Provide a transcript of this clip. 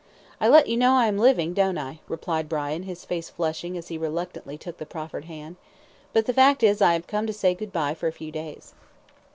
"I let you know I am living, don't I?" replied Brian, his face flushing as he reluctantly took the proffered hand. "But the fact is I have come to say good bye for a few days."